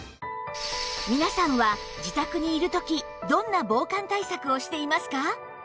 皆さんは自宅にいる時どんな防寒対策をしていますか？